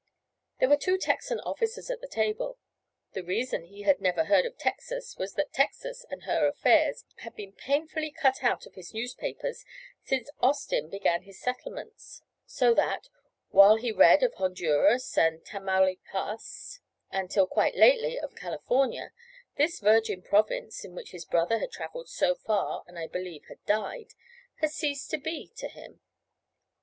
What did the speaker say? There were two Texan officers at the table. The reason he had never heard of Texas was that Texas and her affairs had been painfully cut out of his newspapers since Austin began his settlements; so that, while he read of Honduras and Tamaulipas, and, till quite lately, of California this virgin province, in which his brother had travelled so far, and I believe, had died, had ceased to be to him.